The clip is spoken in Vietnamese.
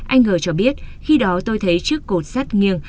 anh g bố cho biết khi đó tôi thấy chiếc cột sắt nghiêng